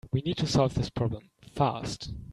We need to solve this problem fast.